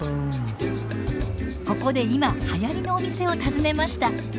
ここで今はやりのお店を訪ねました。